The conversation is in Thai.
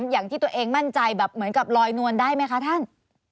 อย่างที่ตัวเองมั่นใจแบบเหมือนกับลอยนวลได้ไหมคะท่าน